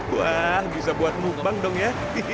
wah bisa buat mumbang dong ya